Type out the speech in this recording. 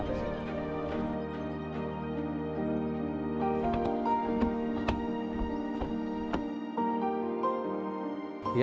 sampai ini di atas ya